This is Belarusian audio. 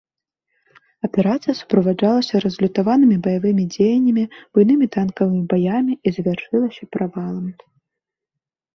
Аперацыя суправаджалася разлютаванымі баявымі дзеяннямі, буйнымі танкавымі баямі і завяршылася правалам.